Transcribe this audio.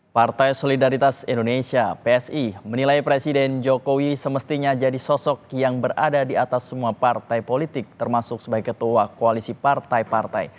partai solidaritas indonesia psi menilai presiden jokowi semestinya jadi sosok yang berada di atas semua partai politik termasuk sebagai ketua koalisi partai partai